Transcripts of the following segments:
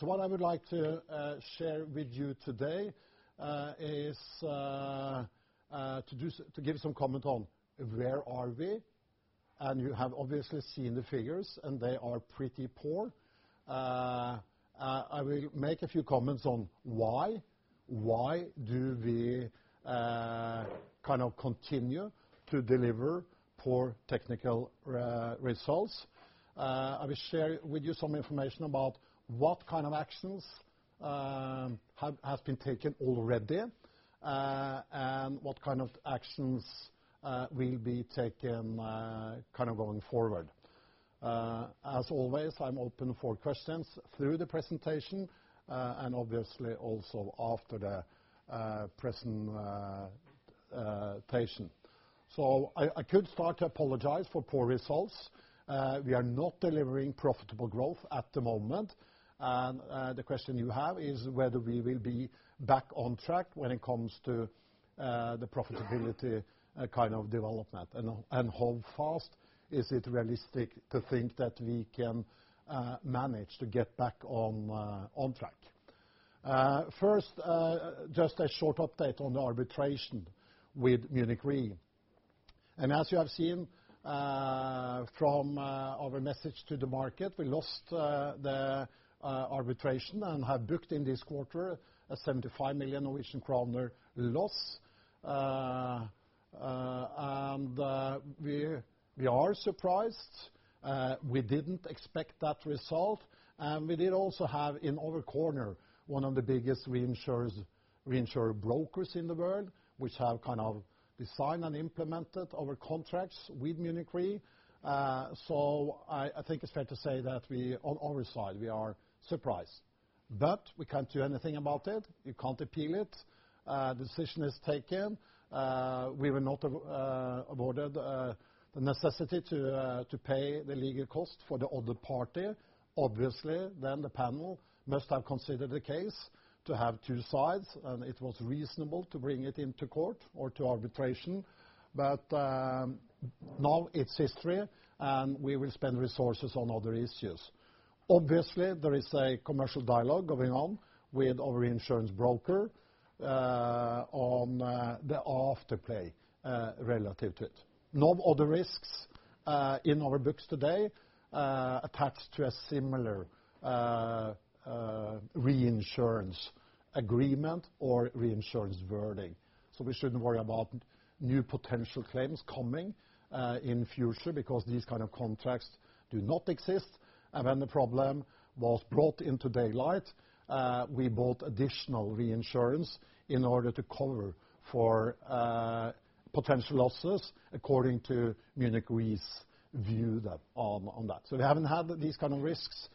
What I would like to share with you today is to give some comment on where are we. You have obviously seen the figures, and they are pretty poor. I will make a few comments on why. Why do we continue to deliver poor technical results? I will share with you some information about what kind of actions have been taken already, and what kind of actions will be taken going forward. As always, I'm open for questions through the presentation, and obviously also after the presentation. I could start to apologize for poor results. We are not delivering profitable growth at the moment. The question you have is whether we will be back on track when it comes to the profitability kind of development, and how fast is it realistic to think that we can manage to get back on track. First, just a short update on the arbitration with Munich Re. As you have seen from our message to the market, we lost the arbitration and have booked in this quarter a 75 million Norwegian kroner loss. We are surprised. We didn't expect that result. We did also have in our corner one of the biggest reinsurer brokers in the world, which have designed and implemented our contracts with Munich Re. I think it's fair to say that on our side, we are surprised, but we can't do anything about it. You can't appeal it. Decision is taken. We were not awarded the necessity to pay the legal cost for the other party. Obviously, then the panel must have considered the case to have two sides, and it was reasonable to bring it into court or to arbitration. Now it's history, and we will spend resources on other issues. Obviously, there is a commercial dialogue going on with our reinsurance broker on the after play relative to it. No other risks in our books today attach to a similar reinsurance agreement or reinsurance wording. We shouldn't worry about new potential claims coming in future because these kind of contracts do not exist. When the problem was brought into daylight, we bought additional reinsurance in order to cover for potential losses according to Munich Re's view on that. We haven't had these kind of risks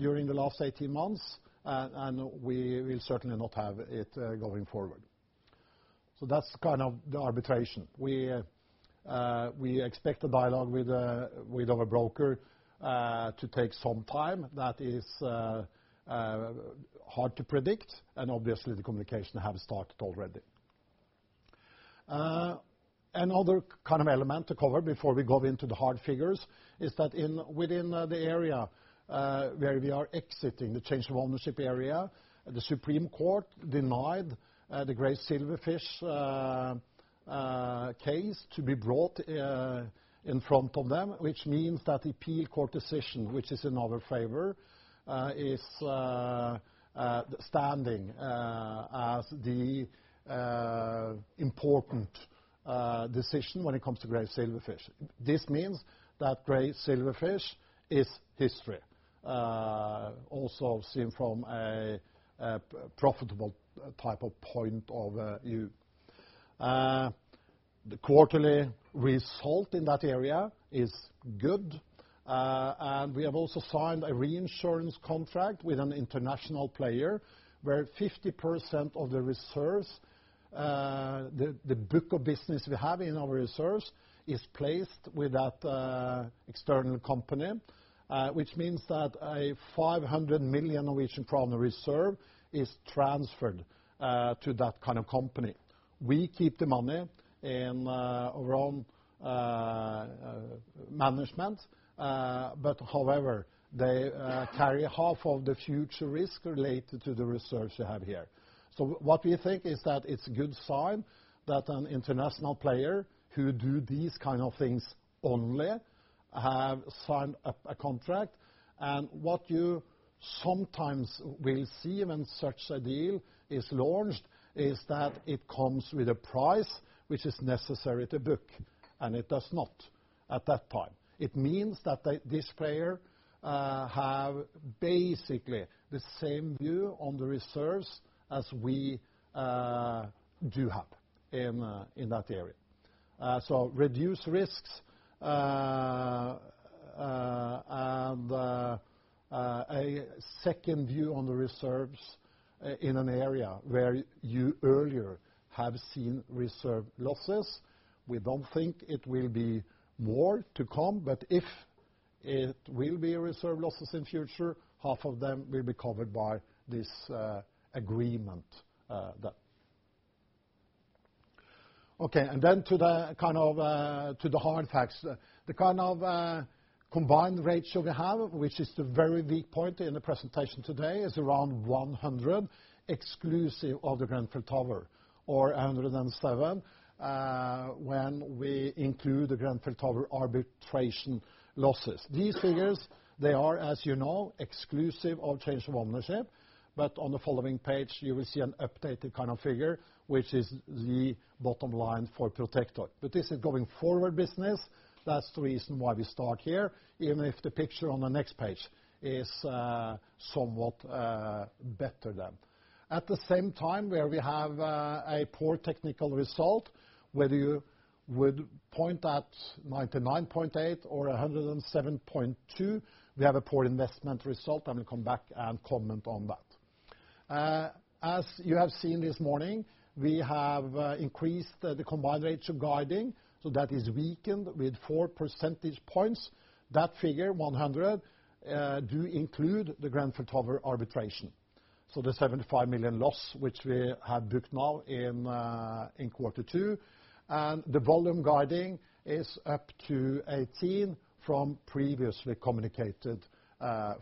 during the last 18 months, and we will certainly not have it going forward. That's the arbitration. We expect the dialogue with our broker to take some time. That is hard to predict and obviously the communication have started already. Another element to cover before we go into the hard figures is that within the area where we are exiting, the Change of Ownership area, the Supreme Court denied the Grey Silverfish case to be brought in front of them, which means that appeal court decision, which is in our favor, is standing as the important decision when it comes to Grey Silverfish. This means that Grey Silverfish is history. Also seen from a profitable type of point of view. The quarterly result in that area is good. We have also signed a reinsurance contract with an international player where 50% of the reserves, the book of business we have in our reserves is placed with that external company, which means that a 500 million Norwegian kroner reserve is transferred to that kind of company. We keep the money in our own management. However, they carry half of the future risk related to the reserves we have here. What we think is that it's a good sign that an international player who do these kind of things only have signed a contract. What you sometimes will see when such a deal is launched is that it comes with a price which is necessary to book. It does not at that time. It means that this player have basically the same view on the reserves as we do have in that area. Reduced risks, and a second view on the reserves in an area where you earlier have seen reserve losses. We don't think it will be more to come. If it will be reserve losses in future, half of them will be covered by this agreement there. Okay, then to the hard facts. The combined ratio we have, which is the very weak point in the presentation today, is around 100, exclusive of the Grenfell Tower. Or 107 when we include the Grenfell Tower arbitration losses. These figures, they are, as you know, exclusive of Change of Ownership. On the following page, you will see an updated figure, which is the bottom line for Protector. This is going forward business. That's the reason why we start here, even if the picture on the next page is somewhat better then. At the same time, where we have a poor technical result, whether you would point at 99.8 or 107.2, we have a poor investment result. I will come back and comment on that. As you have seen this morning, we have increased the combined ratio guiding. That is weakened with 4 percentage points. That figure, 100, do include the Grenfell Tower arbitration, so the 75 million loss, which we have booked now in quarter two. The volume guiding is up to 18 from previously communicated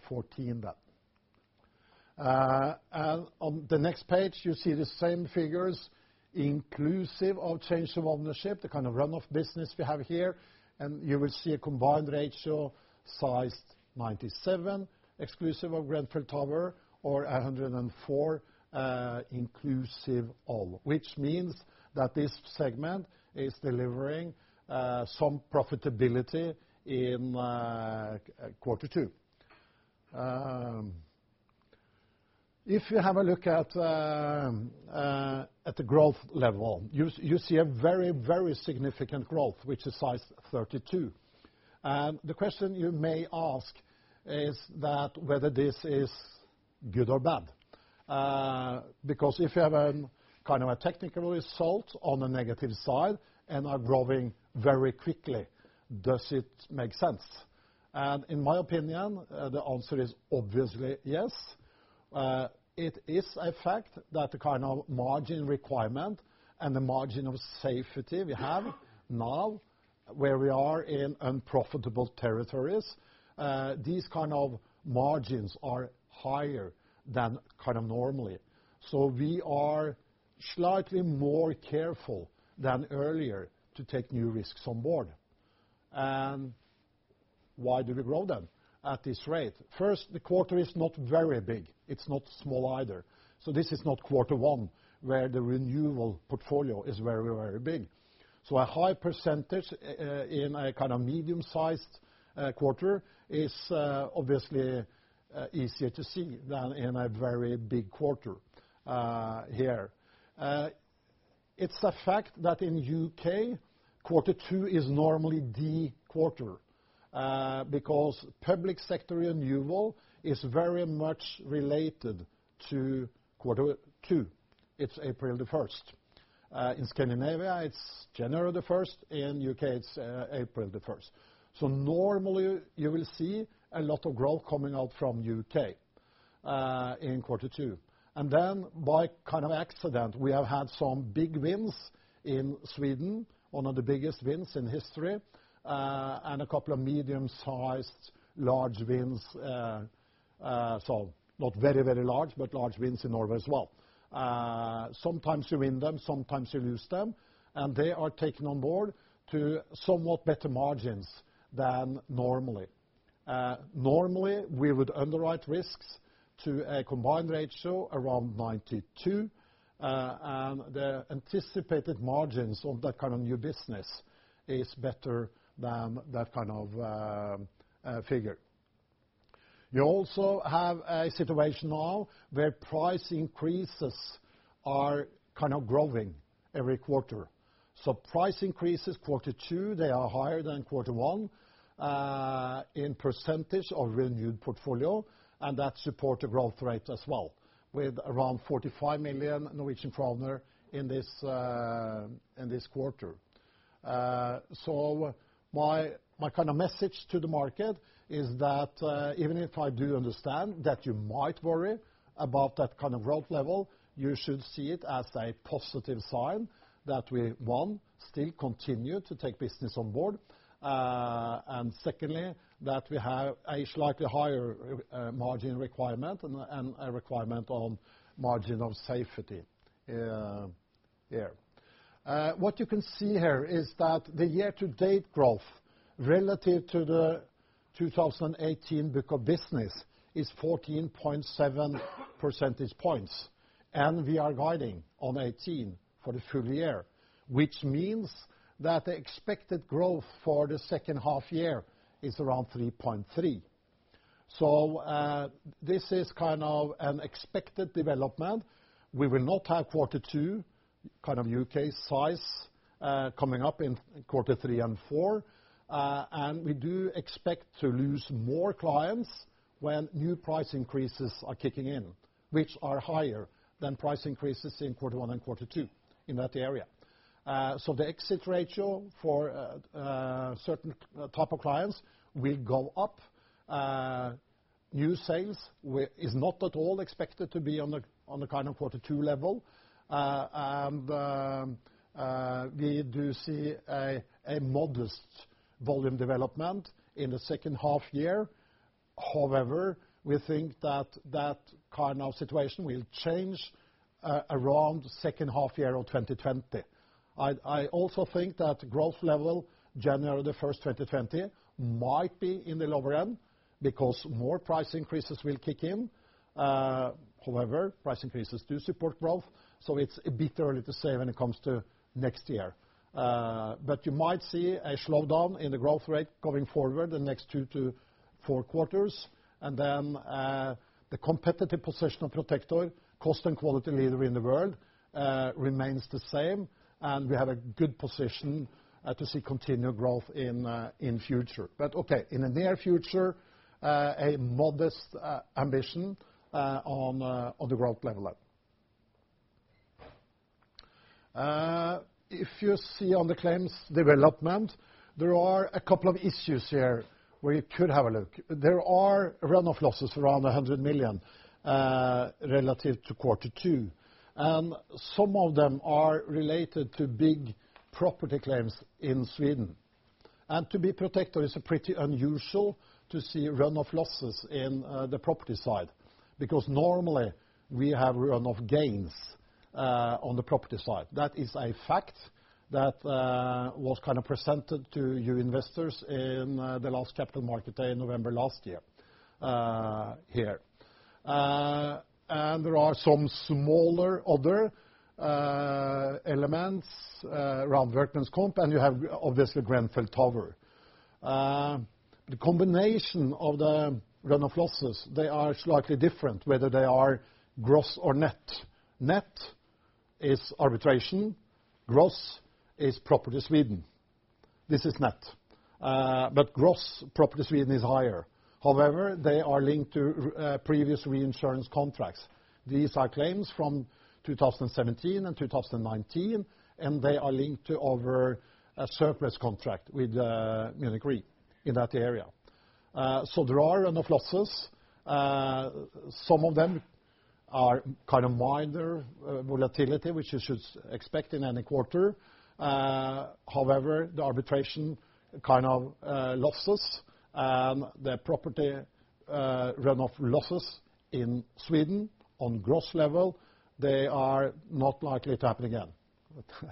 14 then. On the next page, you see the same figures inclusive of Change of Ownership, the run-off business we have here. You will see a combined ratio sized 97 exclusive of Grenfell Tower or 104 inclusive all, which means that this segment is delivering some profitability in quarter two. If you have a look at the growth level, you see a very significant growth, which is size 32. The question you may ask is that whether this is good or bad. If you have a technical result on the negative side and are growing very quickly, does it make sense? In my opinion, the answer is obviously yes. It is a fact that the margin requirement and the margin of safety we have now, where we are in unprofitable territories, these kind of margins are higher than normally. We are slightly more careful than earlier to take new risks on board. Why do we grow then at this rate? First, the quarter is not very big. It's not small either. This is not quarter one where the renewal portfolio is very big. A high percentage in a medium-sized quarter is obviously easier to see than in a very big quarter here. It's a fact that in U.K., quarter two is normally the quarter, because public sector renewal is very much related to quarter two. It's April the 1st. In Scandinavia, it's January the 1st. In U.K., it's April the 1st. Normally, you will see a lot of growth coming out from U.K. in quarter two. By accident, we have had some big wins in Sweden, one of the biggest wins in history, and a couple of medium-sized, large wins. Not very large, but large wins in order as well. Sometimes you win them, sometimes you lose them, and they are taken on board to somewhat better margins than normally. Normally, we would underwrite risks to a combined ratio around 92, and the anticipated margins of that kind of new business is better than that figure. You also have a situation now where price increases are growing every quarter. Price increases, quarter two, they are higher than quarter one in percentage of renewed portfolio, and that support the growth rate as well with around 45 million Norwegian kroner in this quarter. My message to the market is that even if I do understand that you might worry about that growth level, you should see it as a positive sign that we, one, still continue to take business on board. Secondly, that we have a slightly higher margin requirement and a requirement on margin of safety there. What you can see here is that the year-to-date growth relative to the 2018 book of business is 14.7 percentage points, and we are guiding on 18 for the full year, which means that the expected growth for the second half year is around 3.3. This is an expected development. We will not have quarter two U.K. size coming up in quarter three and four. We do expect to lose more clients when new price increases are kicking in, which are higher than price increases in quarter one and quarter two in that area. The exit ratio for certain type of clients will go up. New sales is not at all expected to be on the kind of quarter two level. We do see a modest volume development in the second half year. However, we think that that kind of situation will change around second half year of 2020. I also think that growth level January 1st, 2020 might be in the lower end because more price increases will kick in. However, price increases do support growth, it's a bit early to say when it comes to next year. You might see a slowdown in the growth rate going forward the next two to four quarters, the competitive position of Protector, cost and quality leader in the world, remains the same. We have a good position to see continued growth in future. Okay, in the near future, a modest ambition on the growth level. If you see on the claims development, there are a couple of issues here where you could have a look. There are run-off losses around 100 million relative to quarter two, and some of them are related to big property claims in Sweden. To be Protector, it's pretty unusual to see run-off losses in the property side because normally we have run-off gains on the property side. That is a fact that was kind of presented to you investors in the last Capital Market Day in November last year, here. There are some smaller other elements around workmen's comp, and you have obviously Grenfell. The combination of the run-off losses, they are slightly different whether they are gross or net. Net is arbitration. Gross is property Sweden. This is net. But gross property Sweden is higher. However, they are linked to previous reinsurance contracts. These are claims from 2017 and 2019, and they are linked to our surplus contract with Munich Re in that area. There are run-off losses. Some of them are kind of minor volatility, which you should expect in any quarter. However, the arbitration kind of losses and the property run-off losses in Sweden on gross level, they are not likely to happen again.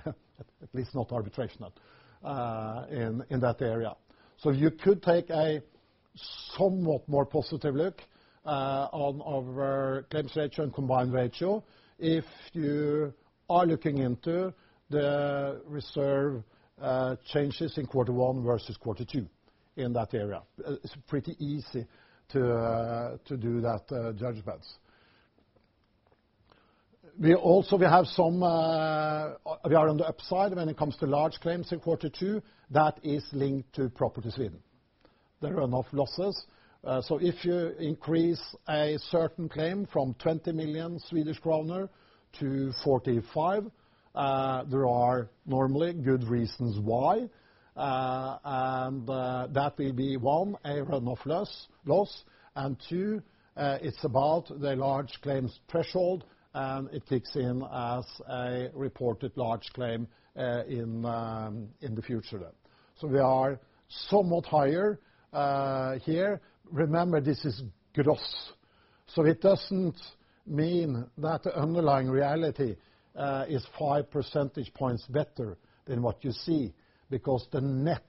At least not arbitration in that area. You could take a somewhat more positive look on our claims ratio and combined ratio if you are looking into the reserve changes in quarter one versus quarter two in that area. It's pretty easy to do that judgments. We are on the upside when it comes to large claims in quarter two. That is linked to property Sweden, the run-off losses. If you increase a certain claim from 20 million-45 million Swedish kronor, there are normally good reasons why. That will be, one, a run-off loss, and two, it's about the large claims threshold, and it kicks in as a reported large claim in the future then. We are somewhat higher here. Remember, this is gross, so it doesn't mean that the underlying reality is 5 percentage points better than what you see because the net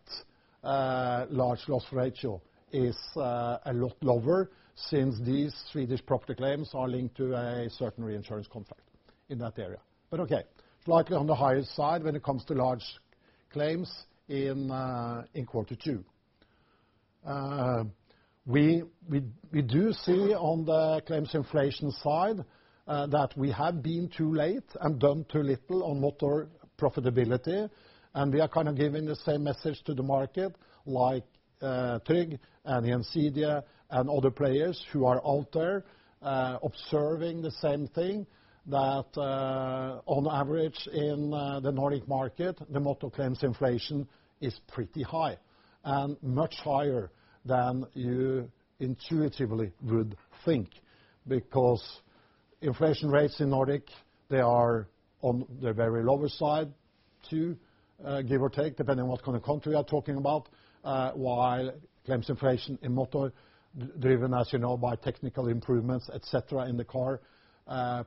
large loss ratio is a lot lower since these Swedish property claims are linked to a certain reinsurance contract in that area. Okay, slightly on the higher side when it comes to large claims in quarter two. We do see on the claims inflation side that we have been too late and done too little on motor profitability, and we are kind of giving the same message to the market like Tryg and Ansydia and other players who are out there observing the same thing, that on average in the Nordic market, the motor claims inflation is pretty high and much higher than you intuitively would think. Inflation rates in Nordic, they are on the very lower side, too, give or take, depending on what kind of country you are talking about, while claims inflation in motor driven, as you know, by technical improvements, et cetera, in the car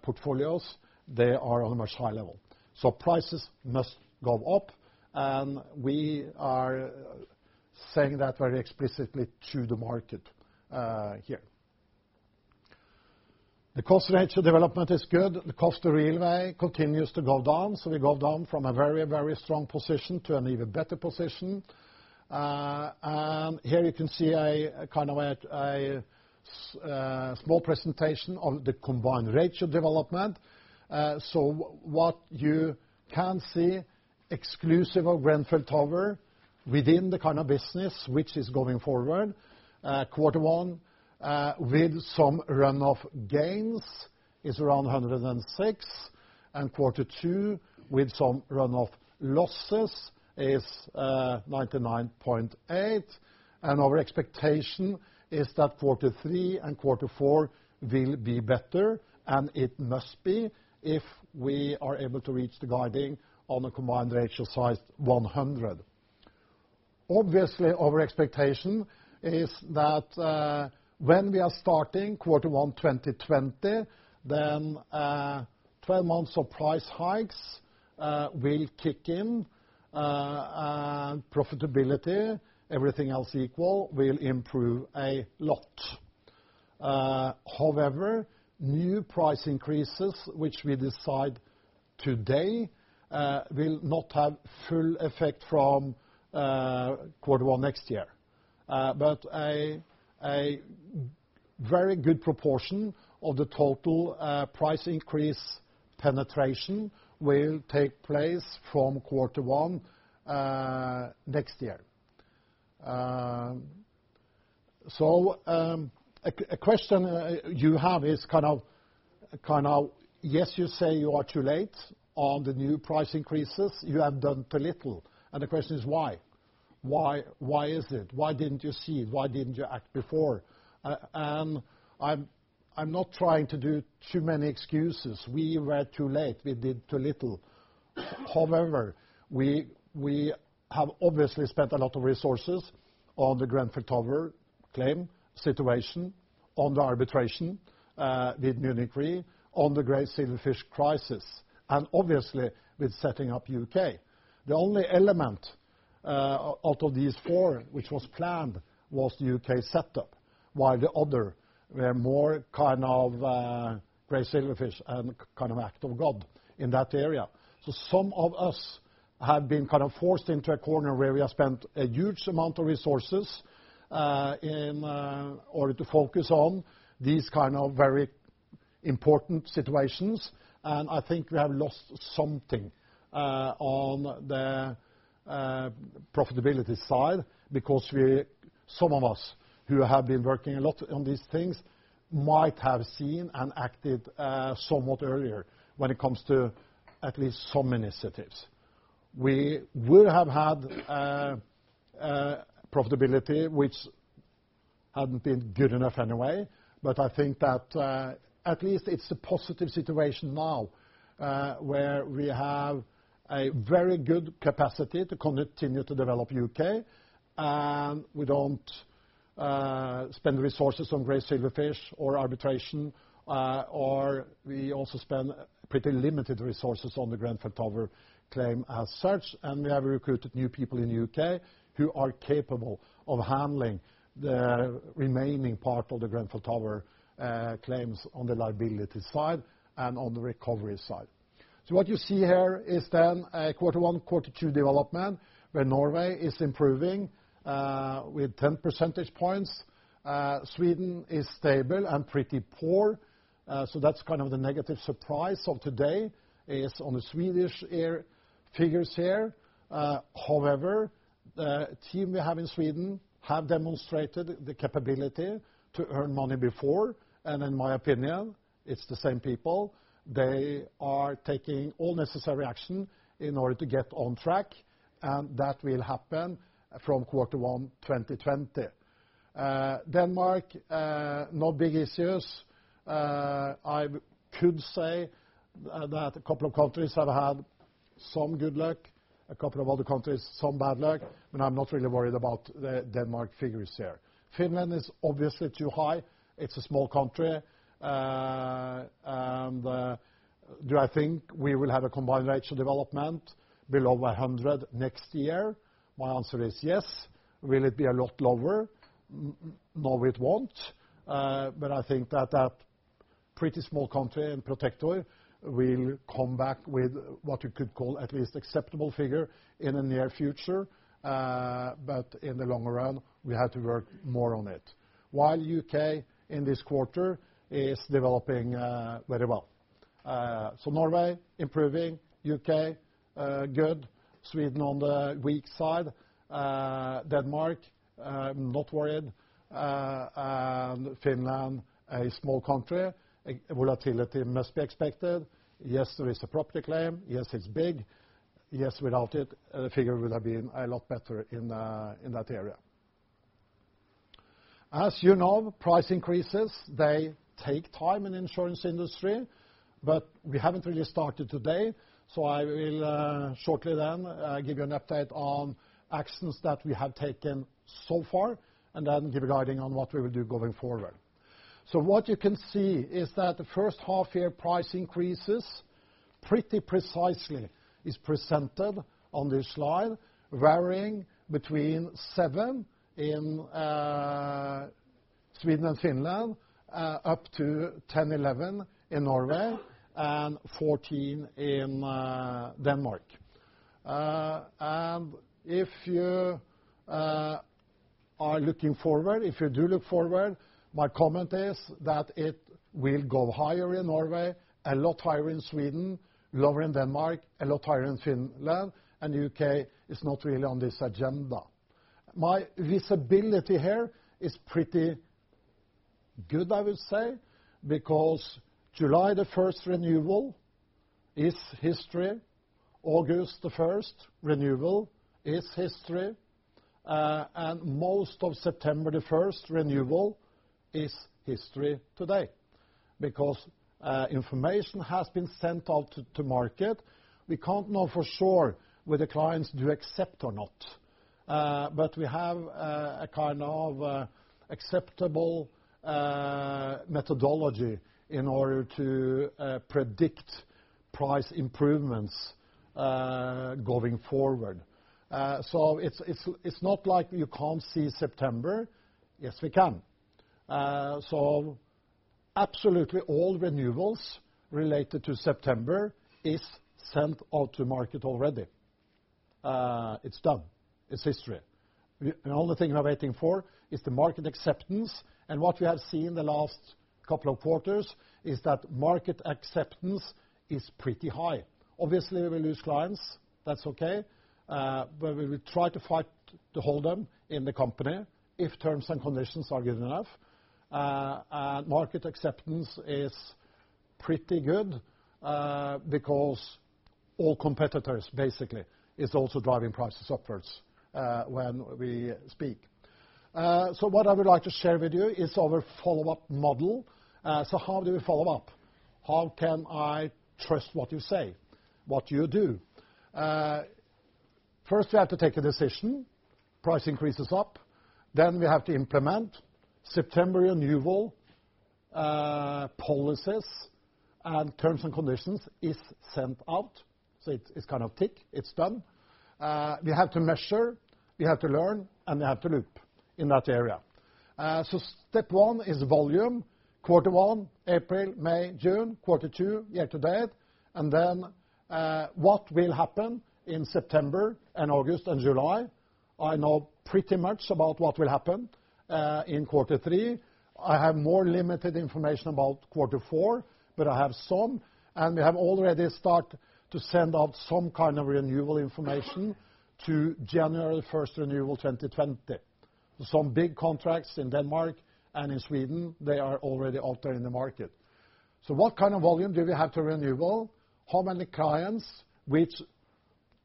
portfolios, they are on a much high level. Prices must go up, we are saying that very explicitly to the market here. The cost ratio development is good. The cost of railway continues to go down. We go down from a very strong position to an even better position. Here you can see a small presentation of the combined ratio development. What you can see exclusive of Grenfell within the kind of business which is going forward, quarter one with some run-off gains is around 106%. Quarter two with some run-off losses is 99.8%. Our expectation is that quarter three and quarter four will be better, and it must be if we are able to reach the guiding on a combined ratio size 100. Obviously, our expectation is that when we are starting quarter one 2020, then 12 months of price hikes will kick in. Profitability, everything else equal, will improve a lot. However, new price increases, which we decide today will not have full effect from quarter one next year. A very good proportion of the total price increase penetration will take place from quarter one next year. A question you have is kind of, yes, you say you are too late on the new price increases. You have done too little. The question is why? Why is it? Why didn't you see? Why didn't you act before? I'm not trying to do too many excuses. We were too late. We did too little. However, we have obviously spent a lot of resources on the Grenfell Tower claim situation, on the arbitration with Munich Re, on the grey silverfish crisis, and obviously with setting up U.K. The only element out of these four which was planned was the U.K. setup, while the other were more grey silverfish and act of God in that area. Some of us have been forced into a corner where we have spent a huge amount of resources in order to focus on these very important situations. I think we have lost something on the profitability side because some of us who have been working a lot on these things might have seen and acted somewhat earlier when it comes to at least some initiatives. We would have had profitability, which hadn't been good enough anyway. I think that at least it's a positive situation now, where we have a very good capacity to continue to develop U.K. We don't spend resources on grey silverfish or arbitration, or we also spend pretty limited resources on the Grenfell Tower claim as such. We have recruited new people in the U.K. who are capable of handling the remaining part of the Grenfell Tower claims on the liabilities side and on the recovery side. What you see here is then a quarter one, quarter two development where Norway is improving with 10 percentage points. Sweden is stable and pretty poor. That's the negative surprise of today is on the Swedish figures here. The team we have in Sweden have demonstrated the capability to earn money before. In my opinion, it's the same people. They are taking all necessary action in order to get on track, that will happen from quarter one 2020. Denmark, no big issues. I could say that a couple of countries have had some good luck, a couple of other countries some bad luck, but I'm not really worried about the Denmark figures here. Finland is obviously too high. It's a small country. Do I think we will have a combined ratio development below 100 next year? My answer is yes. Will it be a lot lower? No, it won't. I think that that pretty small country in Protector will come back with what you could call at least acceptable figure in the near future. In the long run, we have to work more on it. While U.K. in this quarter is developing very well. Norway, improving. U.K., good. Sweden on the weak side. Denmark, I'm not worried. Finland, a small country, volatility must be expected. Yes, there is a property claim. Yes, it's big. Yes, without it, the figure would have been a lot better in that area. As you know, price increases, they take time in insurance industry, but we haven't really started today. I will shortly then give you an update on actions that we have taken so far, and then give a guiding on what we will do going forward. What you can see is that the first half year price increases pretty precisely is presented on this slide, varying between 7% in Sweden and Finland, up to 10%, 11% in Norway, and 14% in Denmark. If you are looking forward, if you do look forward, my comment is that it will go higher in Norway, a lot higher in Sweden, lower in Denmark, a lot higher in Finland, and U.K. is not really on this agenda. My visibility here is pretty good, I will say, because July the 1st renewal is history. August the 1st renewal is history. Most of September the 1st renewal is history today, because information has been sent out to market. We can't know for sure whether clients do accept or not, but we have a kind of acceptable methodology in order to predict price improvements going forward. It's not like you can't see September. Yes, we can. Absolutely all renewals related to September is sent out to market already. It's done. It's history. The only thing we're waiting for is the market acceptance. What we have seen the last couple of quarters is that market acceptance is pretty high. Obviously, we lose clients, that's okay. We will try to fight to hold them in the company if terms and conditions are good enough. Market acceptance is pretty good, because all competitors basically is also driving prices upwards when we speak. What I would like to share with you is our follow-up model. How do we follow-up? How can I trust what you say? What you do? First, we have to take a decision. Price increase is up. We have to implement September renewal policies, and terms and conditions is sent out. It's kind of tick, it's done. We have to measure, we have to learn, and we have to loop in that area. Step one is volume. Quarter one, April, May, June. Quarter two, year to date. Then, what will happen in September and August and July? I know pretty much about what will happen in quarter three. I have more limited information about quarter four, but I have some, and we have already start to send out some kind of renewal information to January 1st renewal 2020. Some big contracts in Denmark and in Sweden, they are already out there in the market. What kind of volume do we have to renewal? How many clients which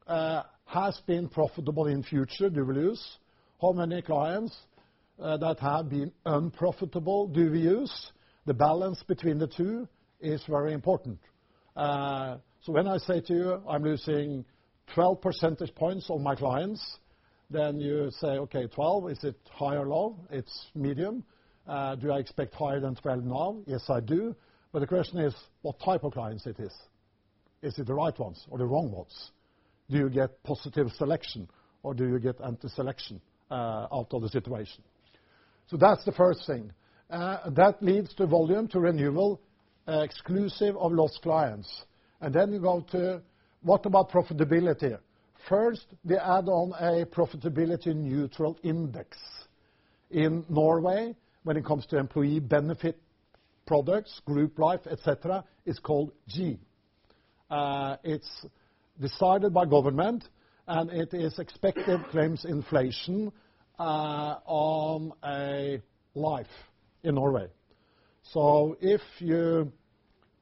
has been profitable in future do we lose? How many clients that have been unprofitable do we lose? The balance between the two is very important. When I say to you, "I'm losing 12 percentage points of my clients," then you say, "Okay, 12, is it high or low?" It's medium. Do I expect higher than 12 now? Yes, I do. The question is, what type of clients it is. Is it the right ones or the wrong ones? Do you get positive selection or do you get anti-selection out of the situation? That's the first thing. That leads to volume to renewal, exclusive of lost clients. You go to, what about profitability? First, we add on a profitability neutral index. In Norway, when it comes to employee benefit products, group life, et cetera, it's called G. It's decided by government, and it is expected claims inflation on a life in Norway. If you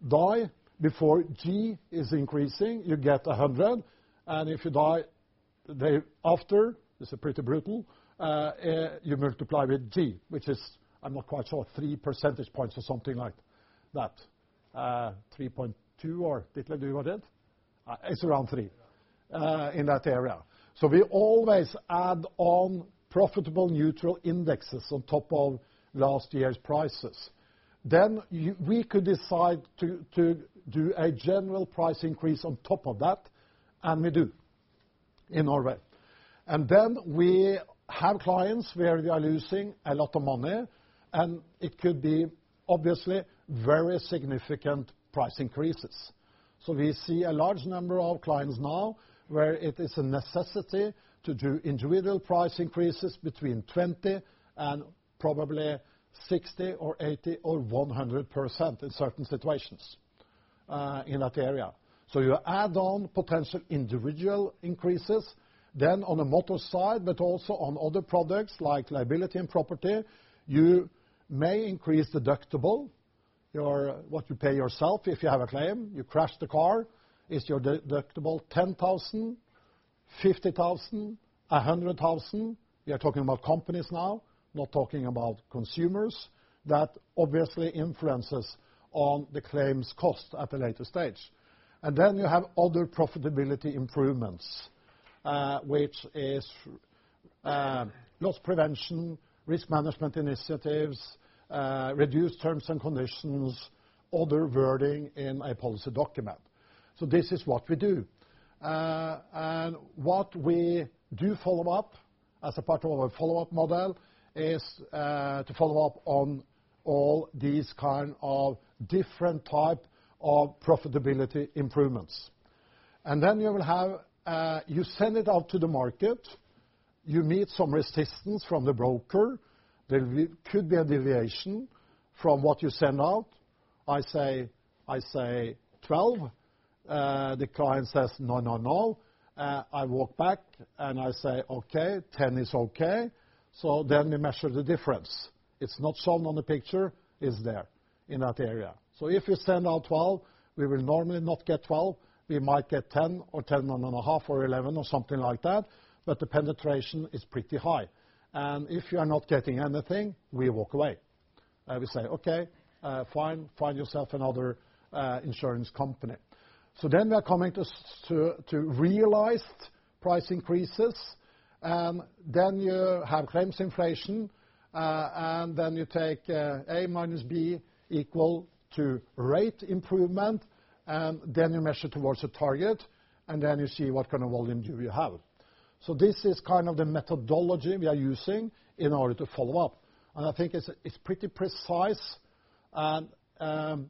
die before G is increasing, you get 100. If you die the day after, this is pretty brutal, you multiply with G, which is, I'm not quite sure, 3 percentage points or something like that. 3.2 or Ditlev, do you know that? It's around three. Yeah. In that area. We always add on profitable neutral indexes on top of last year's prices. We could decide to do a general price increase on top of that, and we do in Norway. We have clients where we are losing a lot of money, and it could be obviously very significant price increases. We see a large number of clients now, where it is a necessity to do individual price increases between 20% and probably 60% or 80% or 100% in certain situations, in that area. You add on potential individual increases. On the motor side, but also on other products like liability and property, you may increase deductible. What you pay yourself if you have a claim. You crash the car, is your deductible 10,000? 50,000? 100,000? We are talking about companies now, not talking about consumers. That obviously influences on the claims cost at a later stage. You have other profitability improvements, which is loss prevention, risk management initiatives, reduced terms and conditions, other wording in a policy document. This is what we do. What we do follow-up as a part of our follow-up model is to follow-up on all these kind of different type of profitability improvements. You will have, you send it out to the market, you meet some resistance from the broker. There could be a deviation from what you send out. I say 12. The client says, "No, no." I walk back and I say, "Okay, 10 is okay." We measure the difference. It's not shown on the picture, it's there in that area. If you send out 12, we will normally not get 12. We might get 10 or 10.5 or 11 or something like that, but the penetration is pretty high. If you are not getting anything, we walk away. We say, "Okay. Find yourself another insurance company." We are coming to realized price increases. You have claims inflation, and then you take A minus B equal to rate improvement, and then you measure towards the target, and then you see what kind of volume do you have. This is the methodology we are using in order to follow-up, and I think it's pretty precise. The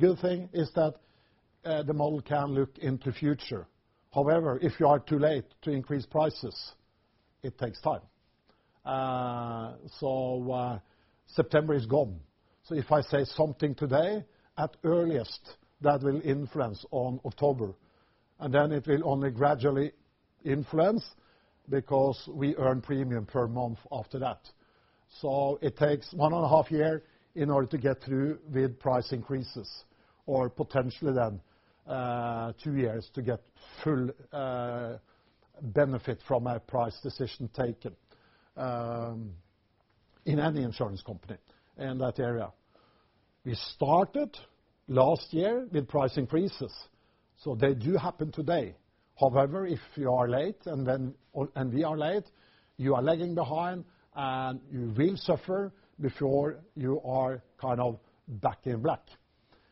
good thing is that the model can look into future. However, if you are too late to increase prices, it takes time. September is gone. If I say something today, at earliest, that will influence on October, it will only gradually influence because we earn premium per month after that. It takes one and a half year in order to get through with price increases or potentially two years to get full benefit from a price decision taken, in any insurance company in that area. We started last year with price increases. They do happen today. However, if you are late and we are late, you are lagging behind, and you will suffer before you are back in black.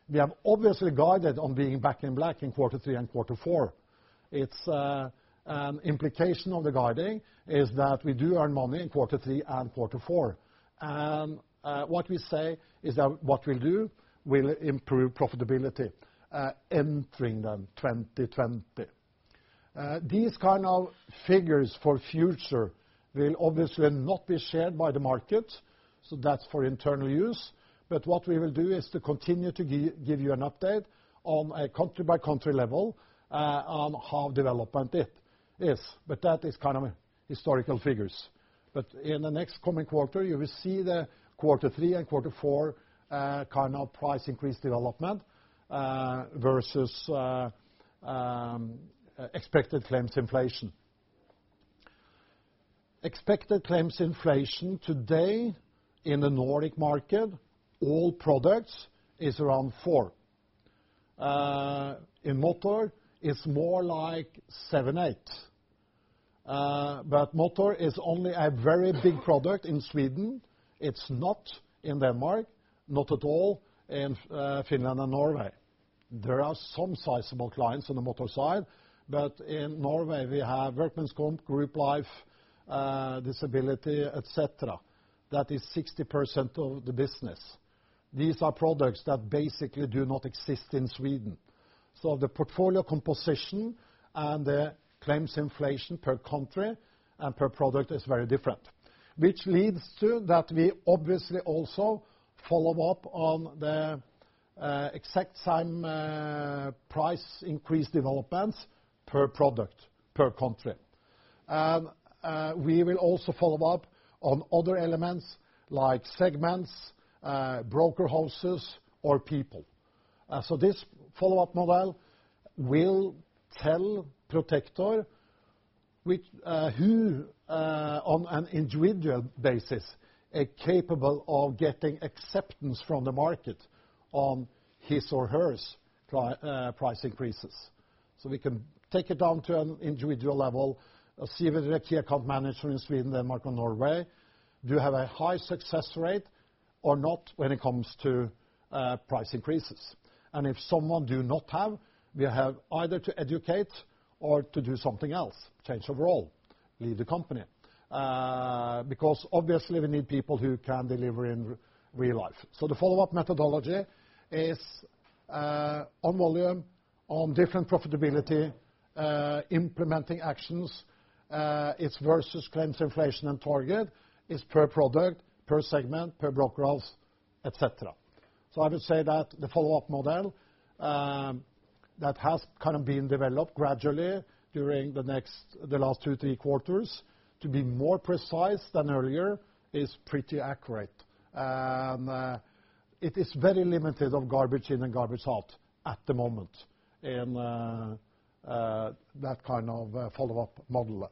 We have obviously guided on being back in black in quarter three and quarter four. Implication of the guiding is that we do earn money in quarter three and quarter four. What we say is that what we'll do will improve profitability entering 2020. These kind of figures for future will obviously not be shared by the market. That's for internal use. What we will do is to continue to give you an update on a country-by-country level, on how development it is. That is historical figures. In the next coming quarter, you will see the quarter three and quarter four price increase development versus expected claims inflation. Expected claims inflation today in the Nordic market, all products, is around 4%. In motor, it's more like 7%-8%. Motor is only a very big product in Sweden. It's not in Denmark, not at all in Finland and Norway. There are some sizable clients on the motor side. In Norway, we have workmen's comp, group life, disability, et cetera. That is 60% of the business. These are products that basically do not exist in Sweden. The portfolio composition and the claims inflation per country and per product is very different. Which leads to that we obviously also follow-up on the exact same price increase developments per product, per country. We will also follow-up on other elements like segments, broker houses, or people. This follow-up model will tell Protector who, on an individual basis, are capable of getting acceptance from the market on his or hers price increases. We can take it down to an individual level, see if the key account manager in Sweden, Denmark, or Norway do have a high success rate or not when it comes to price increases. If someone do not have, we have either to educate or to do something else, change of role, leave the company, because obviously, we need people who can deliver in real life. The follow-up methodology is on volume, on different profitability, implementing actions. It's versus claims inflation and target. It's per product, per segment, per broker house, et cetera. I would say that the follow-up model that has been developed gradually during the last two, three quarters, to be more precise than earlier, is pretty accurate. It is very limited of garbage in and garbage out at the moment in that kind of follow-up model.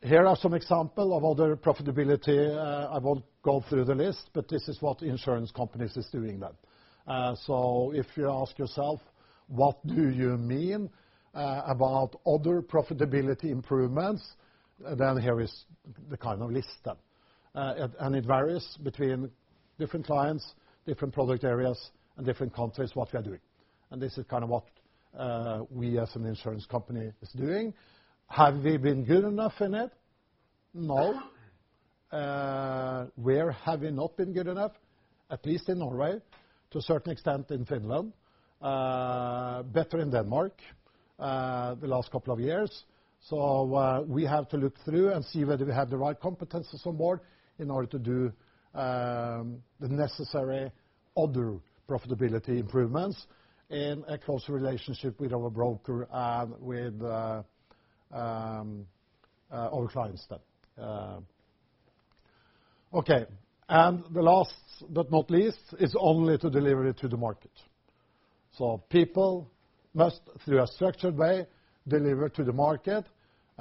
Here are some example of other profitability. I won't go through the list, but this is what insurance companies is doing. If you ask yourself, what do you mean about other profitability improvements? Here is the list. It varies between different clients, different product areas, and different countries what we are doing. This is what we as an insurance company is doing. Have we been good enough in it? No. Where have we not been good enough? At least in Norway, to a certain extent in Finland. Better in Denmark the last couple of years. We have to look through and see whether we have the right competencies on board in order to do the necessary other profitability improvements in a close relationship with our broker and with our clients then. Okay. The last but not least is only to deliver it to the market. People must, through a structured way, deliver to the market.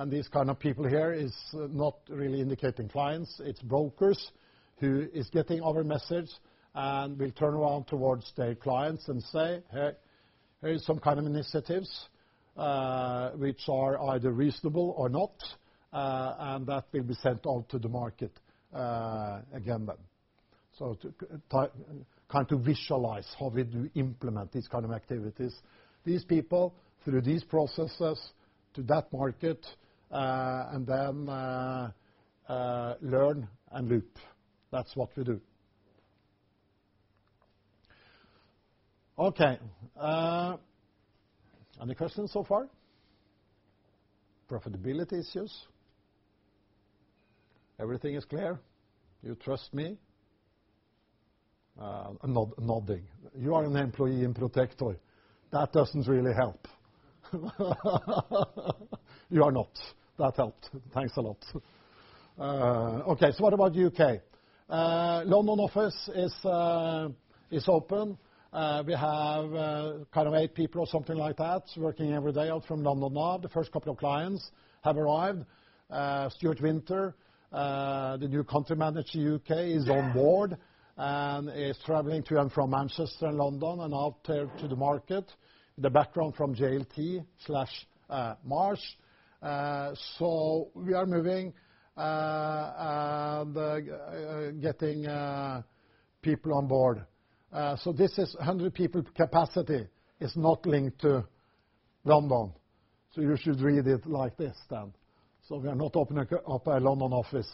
These kind of people here is not really indicating clients, it's brokers who is getting our message and will turn around towards their clients and say, "Hey, here is some kind of initiatives," which are either reasonable or not, and that will be sent out to the market again then. To visualize how we do implement these kind of activities, these people, through these processes to that market, learn and loop. That's what we do. Okay. Any questions so far? Profitability issues? Everything is clear? You trust me? Nodding. You are an employee in Protector. That doesn't really help. You are not. That helped. Thanks a lot. Okay, what about U.K.? London office is open. We have eight people or something like that working every day out from London now. The first couple of clients have arrived. Stuart Winter, the new Country Manager U.K., is on board and is traveling to and from Manchester and London and out to the market. The background from JLT/Marsh. We are moving and getting people on board. This is 100 people capacity is not linked to London. You should read it like this then. We are not opening up a London office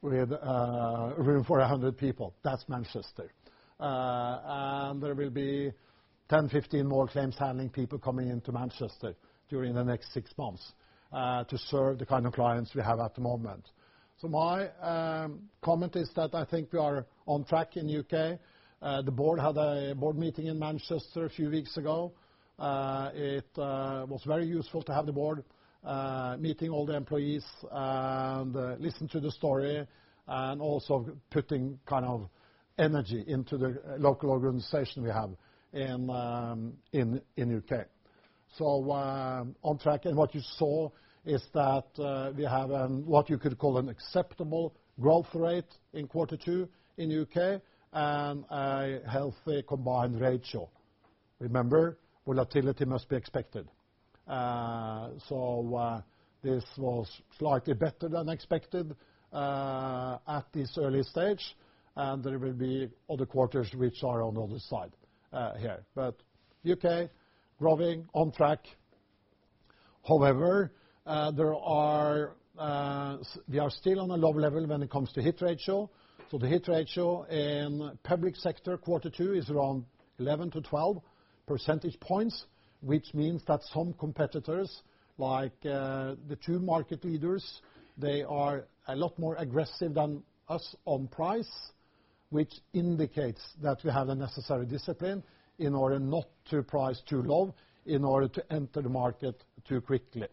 with room for 100 people. That's Manchester. There will be 10, 15 more claims handling people coming into Manchester during the next six months, to serve the kind of clients we have at the moment. My comment is that I think we are on track in U.K. The board had a board meeting in Manchester a few weeks ago. It was very useful to have the board meeting all the employees and listen to the story and also putting energy into the local organization we have in U.K. On track. What you saw is that we have what you could call an acceptable growth rate in quarter two in U.K. and a healthy combined ratio. Remember, volatility must be expected. This was slightly better than expected, at this early stage. There will be other quarters which are on the other side here. U.K. growing on track. However, we are still on a low level when it comes to hit ratio. The hit ratio in public sector quarter two is around 11 to 12 percentage points, which means that some competitors, like the two market leaders, they are a lot more aggressive than us on price, which indicates that we have the necessary discipline in order not to price too low in order to enter the market too quickly.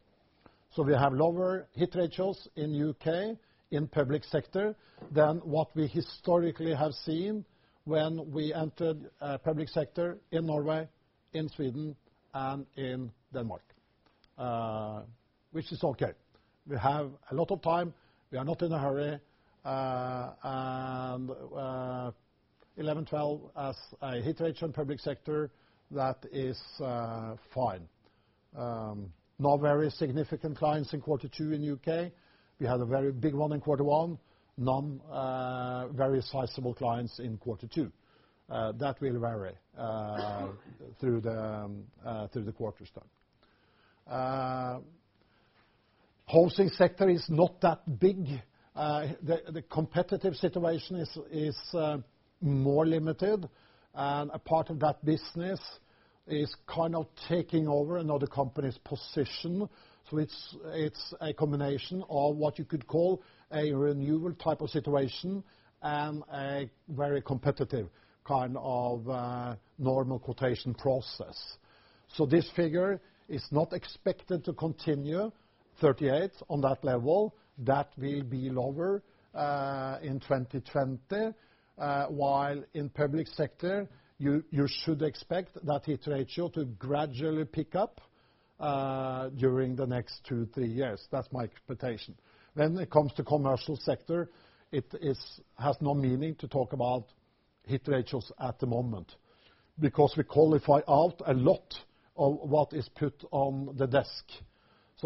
We have lower hit ratios in U.K. in public sector than what we historically have seen when we entered public sector in Norway, in Sweden and in Denmark. Which is okay. We have a lot of time. We are not in a hurry. 11, 12 as a hit ratio in public sector, that is fine. No very significant clients in quarter two in U.K. We had a very big one in quarter one. None very sizable clients in quarter two. That will vary through the quarters then. Housing sector is not that big. The competitive situation is more limited. A part of that business is taking over another company's position. It's a combination of what you could call a renewal type of situation and a very competitive normal quotation process. This figure is not expected to continue 38 on that level. That will be lower in 2020. While in public sector, you should expect that hit ratio to gradually pick up during the next two, three years. That's my expectation. When it comes to commercial sector, it has no meaning to talk about hit ratios at the moment because we qualify out a lot of what is put on the desk.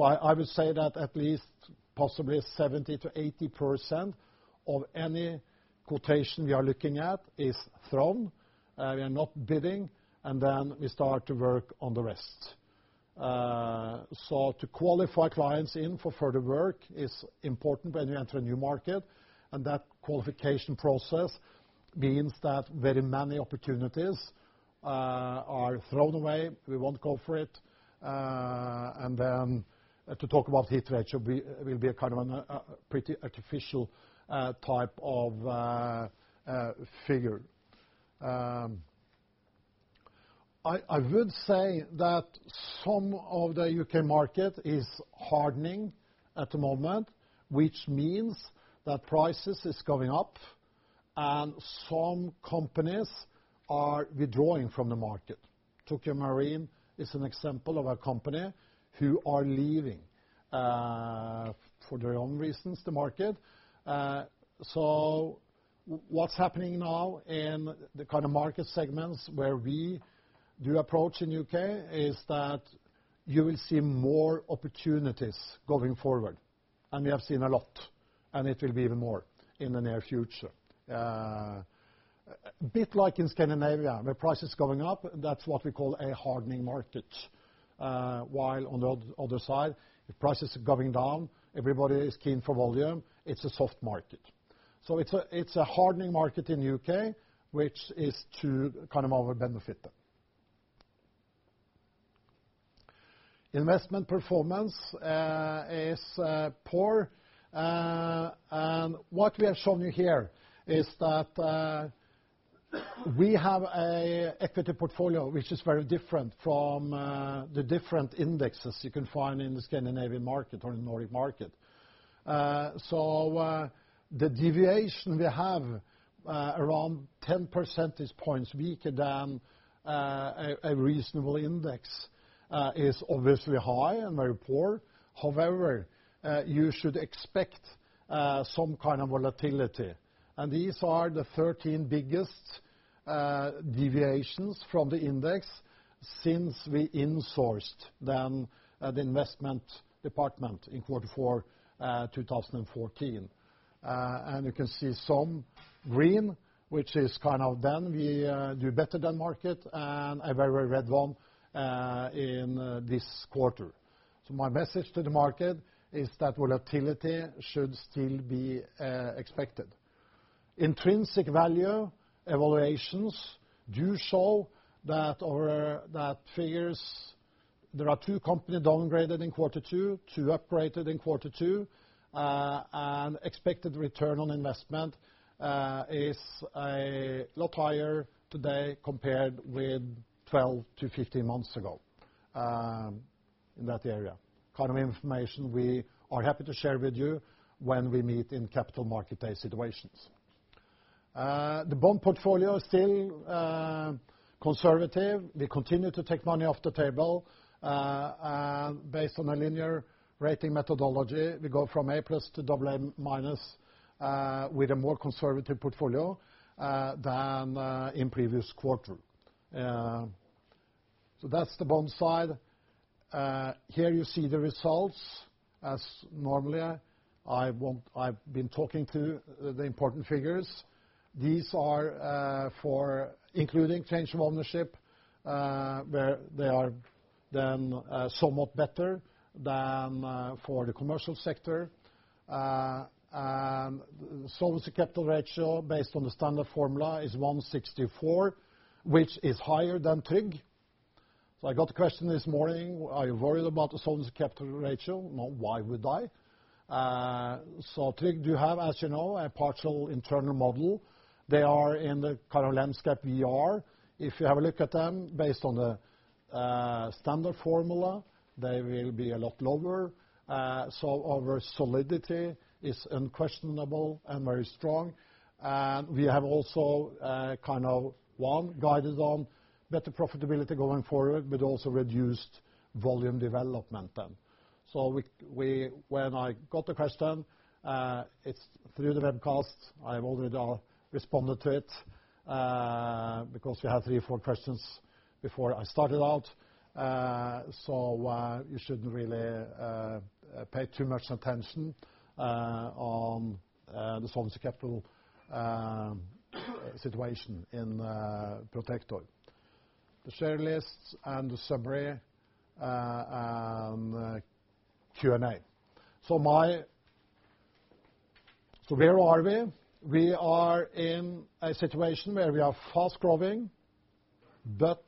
I will say that at least possibly 70%-80% of any quotation we are looking at is thrown. We are not bidding, and then we start to work on the rest. To qualify clients in for further work is important when you enter a new market, and that qualification process means that very many opportunities are thrown away. We won't go for it. Then to talk about hit ratio will be a pretty artificial type of figure. I would say that some of the U.K. market is hardening at the moment, which means that prices is going up, and some companies are withdrawing from the market. Tokio Marine is an example of a company who are leaving, for their own reasons, the market. What's happening now in the kind of market segments where we do approach in U.K. is that you will see more opportunities going forward. We have seen a lot, and it will be even more in the near future. A bit like in Scandinavia, where price is going up, that's what we call a hardening market. While on the other side, if price is going down, everybody is keen for volume, it's a soft market. It's a hardening market in the U.K., which is to our benefit. Investment performance is poor. What we have shown you here is that we have a equity portfolio which is very different from the different indexes you can find in the Scandinavian market or the Nordic market. The deviation we have around 10 percentage points weaker than a reasonable index is obviously high and very poor. However, you should expect some kind of volatility. These are the 13 biggest deviations from the index since we insourced then the investment department in quarter four 2014. You can see some green, which is then we do better than market, and a very red one in this quarter. My message to the market is that volatility should still be expected. Intrinsic value evaluations do show that figures, there are two companies downgraded in quarter two upgraded in quarter two. Expected return on investment is a lot higher today compared with 12-15 months ago, in that area. Information we are happy to share with you when we meet in Capital Market Day situations. The bond portfolio is still conservative. We continue to take money off the table. Based on a linear rating methodology, we go from A+ to AA- with a more conservative portfolio than in previous quarter. That's the bond side. Here you see the results. As normally, I've been talking to the important figures. These are for including Change of Ownership, where they are then somewhat better than for the commercial sector. Solvency capital ratio, based on the standard formula, is 164, which is higher than Tryg. I got a question this morning, are you worried about the solvency capital ratio? No. Why would I? Tryg do have, as you know, a partial internal model. They are in the kind of landscape we are. If you have a look at them based on the standard formula, they will be a lot lower. Our solidity is unquestionable and very strong. We have also one, guidance on better profitability going forward, but also reduced volume development then. When I got the question, it's through the webcast. I've already responded to it, because we had three or four questions before I started out. You shouldn't really pay too much attention on the solvency capital situation in Protector. The share lists and the summary and Q&A. Where are we? We are in a situation where we are fast-growing but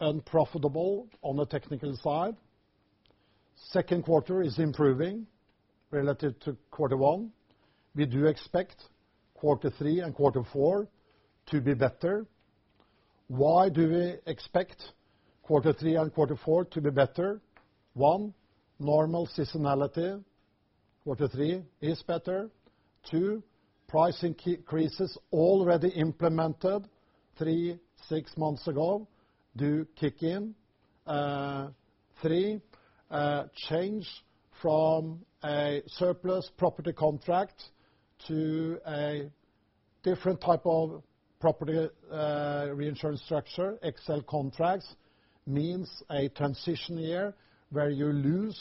unprofitable on the technical side. Second quarter is improving relative to quarter one. We do expect quarter three and quarter four to be better. Why do we expect quarter three and quarter four to be better? One, normal seasonality, quarter three is better. Two, price increases already implemented three, six months ago do kick in. Three, change from a surplus contract to a different type of property reinsurance structure. Excess of loss contracts means a transition year where you lose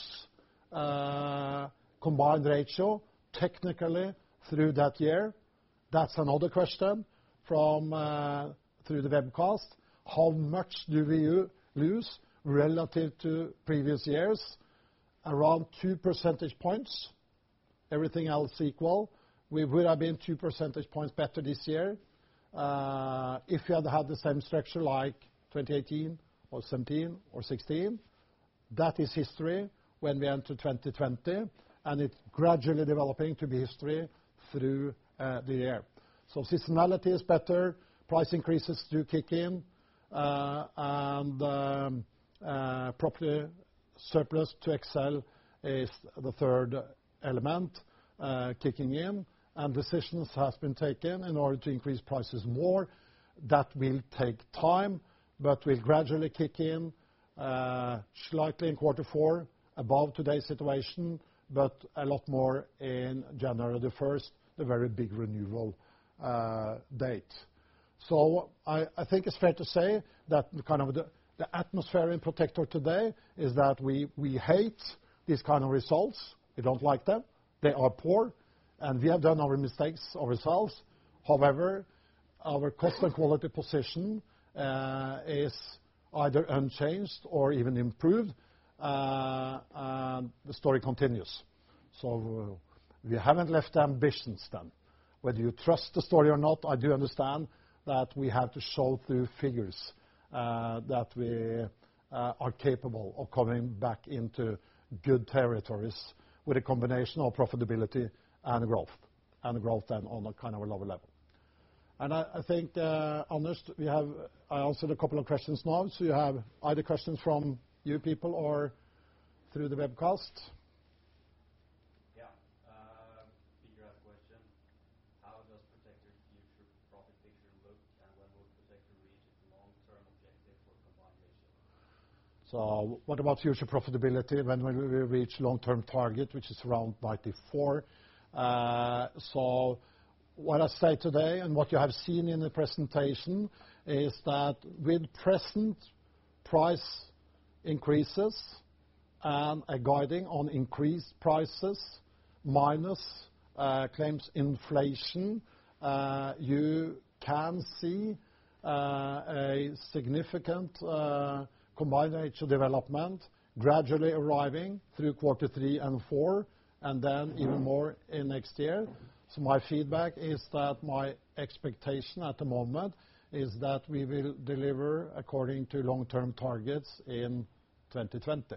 a combined ratio technically through that year. That's another question through the webcast. How much do we lose relative to previous years? Around 2 percentage points. Everything else equal, we would have been 2 percentage points better this year, if we had had the same structure like 2018, or 2017, or 2016. That is history when we enter 2020, and it's gradually developing to be history through the year. Seasonality is better, price increases do kick in, property surplus to excess of loss is the third element kicking in, and decisions have been taken in order to increase prices more. That will take time, but will gradually kick in slightly in quarter four above today's situation, but a lot more in January the 1st, the very big renewal date. I think it's fair to say that the atmosphere in Protector today is that we hate these kind of results. We don't like them. They are poor, and we have done our mistakes ourselves. However, our cost and quality position is either unchanged or even improved. The story continues. We haven't left the ambitions then. Whether you trust the story or not, I do understand that we have to show through figures that we are capable of coming back into good territories with a combination of profitability and growth. Growth then on a lower level. I think, Anders, I answered a couple of questions now, so you have either questions from you people or through the webcast. Yeah. Peter asked question, how does Protector's future profitability look, and when will Protector reach its long-term objective for combined ratio? What about future profitability? When will we reach long-term target, which is around 94? What I say today, and what you have seen in the presentation, is that with present price increases and a guiding on increased prices minus claims inflation, you can see a significant combined ratio development gradually arriving through quarter three and four, and then even more in next year. My feedback is that my expectation at the moment is that we will deliver according to long-term targets in 2020.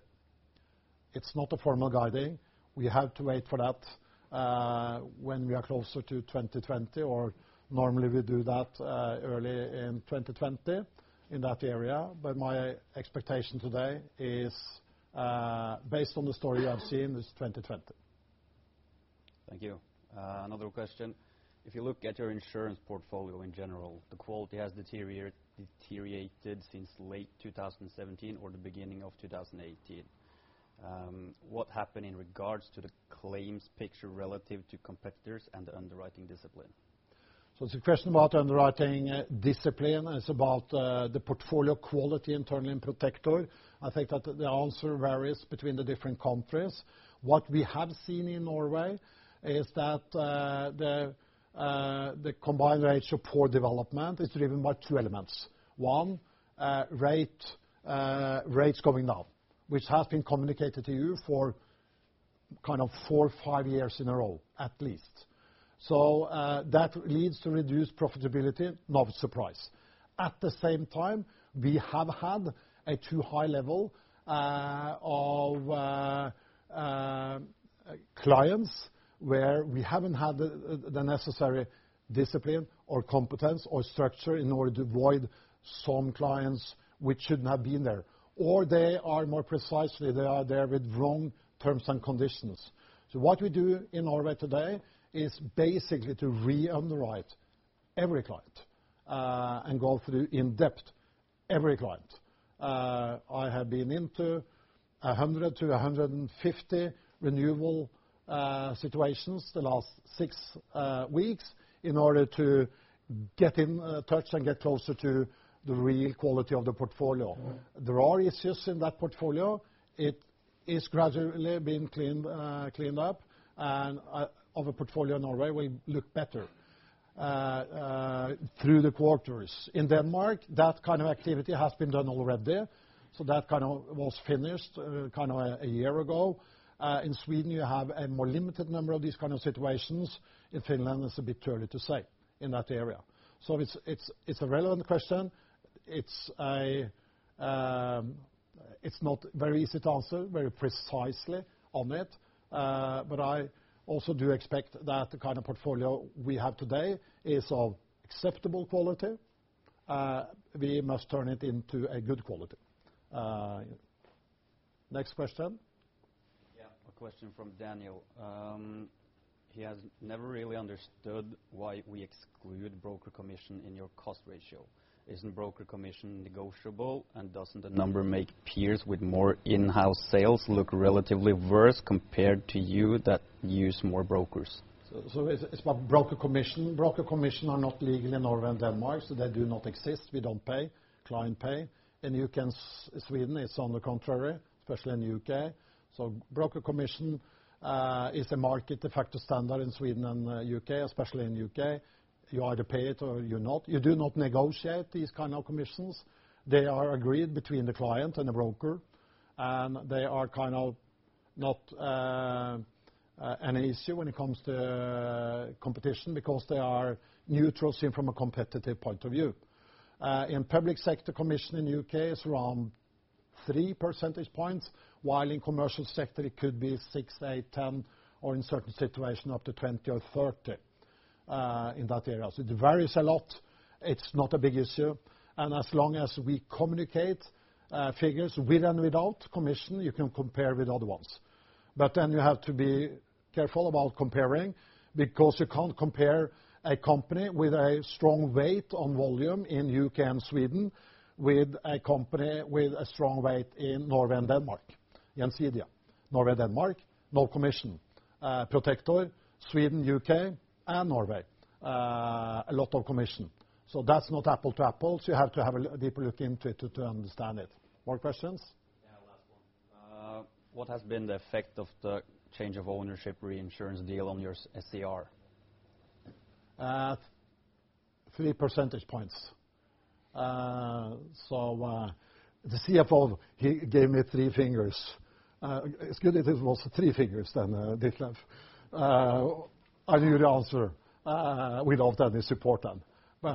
It's not a formal guiding. We have to wait for that when we are closer to 2020, or normally we do that early in 2020, in that area. My expectation today is based on the story I've seen is 2020. Thank you. Another question. If you look at your insurance portfolio in general, the quality has deteriorated since late 2017 or the beginning of 2018. What happened in regards to the claims picture relative to competitors and the underwriting discipline? It's a question about underwriting discipline. It's about the portfolio quality internally in Protector. I think that the answer varies between the different countries. What we have seen in Norway is that the combined ratio poor development is driven by two elements. One, rates going up, which has been communicated to you for four, five years in a row at least. That leads to reduced profitability, not surprise. At the same time, we have had a too high level of clients where we haven't had the necessary discipline, or competence, or structure in order to avoid some clients which should not have been there. They are more precisely, they are there with wrong terms and conditions. What we do in Norway today is basically to re-underwrite every client, and go through in depth every client. I have been into 100 to 150 renewal situations the last six weeks in order to get in touch and get closer to the real quality of the portfolio. There are issues in that portfolio. It is gradually being cleaned up. Of a portfolio in Norway, we look better through the quarters. In Denmark, that kind of activity has been done already, so that was finished a year ago. In Sweden, you have a more limited number of these kind of situations. In Finland, it's a bit early to say in that area. It's a relevant question. It's not very easy to answer very precisely on it. I also do expect that the kind of portfolio we have today is of acceptable quality. We must turn it into a good quality. Next question. Yeah. A question from Daniel. He has never really understood why we exclude broker commission in your cost ratio. Isn't broker commission negotiable, and doesn't the number make peers with more in-house sales look relatively worse compared to you that use more brokers? It's about broker commission. Broker commission are not legal in Norway and Denmark, so they do not exist. We don't pay. Client pay. In U.K. and Sweden, it's on the contrary, especially in the U.K. Broker commission is a market de facto standard in Sweden and U.K., especially in U.K. You either pay it or you not. You do not negotiate these kind of commissions. They are agreed between the client and the broker. They are kind of not an issue when it comes to competition, because they are neutral seen from a competitive point of view. In public sector, commission in U.K. is around 3 percentage points, while in commercial sector it could be six to eight, 10, or in certain situation, up to 20 or 30 in that area. It varies a lot. It's not a big issue. As long as we communicate figures with and without commission, you can compare with other ones. You have to be careful about comparing, because you can't compare a company with a strong weight on volume in U.K. and Sweden, with a company with a strong weight in Norway and Denmark. Gjensidige. Norway, Denmark, no commission. Protector, Sweden, U.K., and Norway, a lot of commission. That's not apple to apples. You have to have a deeper look into it to understand it. More questions? Yeah. Last one. What has been the effect of the Change of Ownership reinsurance deal on your SCR? Three percentage points. The CFO, he gave me three fingers. It's good it was three fingers then, Ditlev. I knew the answer. We love that. We support them. I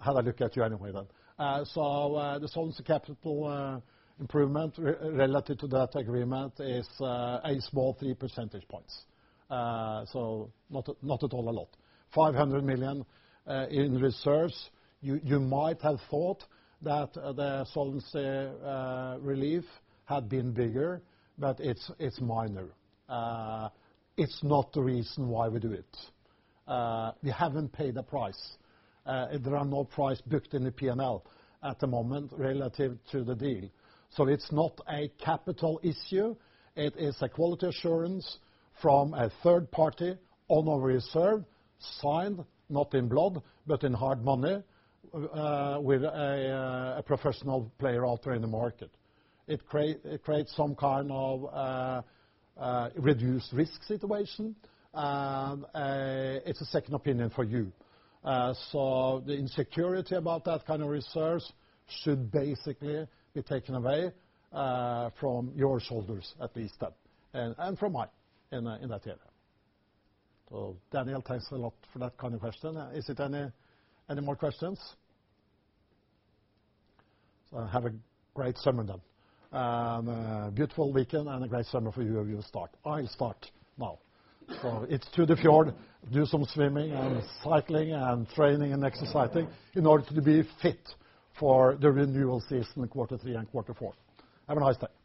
had a look at you anyway then. The solvency capital improvement relative to that agreement is a small 3 percentage points. Not at all a lot. 500 million in reserves. You might have thought that the solvency relief had been bigger, but it's minor. It's not the reason why we do it. We haven't paid the price. There are no price booked in the P&L at the moment relative to the deal. It's not a capital issue. It is a quality assurance from a third party on a reserve signed, not in blood, but in hard money, with a professional player also in the market. It creates some kind of reduced risk situation. It's a second opinion for you. The insecurity about that kind of reserves should basically be taken away from your shoulders at least then, and from mine in that area. Daniel, thanks a lot for that kind of question. Is it any more questions? Have a great summer then. Beautiful weekend and a great summer for you as you start. I start now. It's to the fjord, do some swimming and cycling and training and exercising in order to be fit for the renewal season in quarter three and quarter four. Have a nice day.